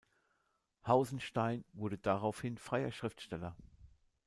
Hausenstein wurde daraufhin freier Schriftsteller.